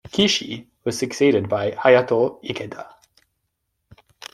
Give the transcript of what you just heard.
Kishi was succeeded by Hayato Ikeda.